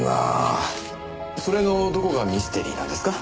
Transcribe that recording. それのどこがミステリーなんですか？